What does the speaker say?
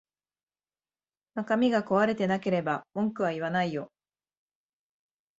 中身が壊れてなければ文句は言わないよ